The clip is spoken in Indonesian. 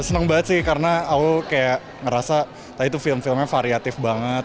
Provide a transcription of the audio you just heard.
seneng banget sih karena aku kayak ngerasa tadi tuh film filmnya variatif banget